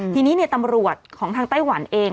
ทีนี้ตำรวจของทางไต้หวันเอง